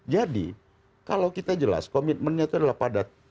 jadi kalau kita jelas komitmennya itu adalah padat